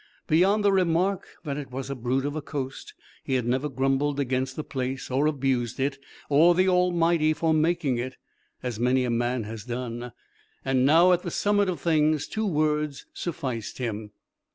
Beyond the remark that it was a brute of a coast he had never grumbled against the place or abused it or the Almighty for making it, as many a man has done; and now at the summit of things two words sufficed him.